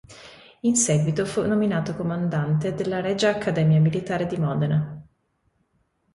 In seguito fu nominato comandante della Regia Accademia Militare di Modena.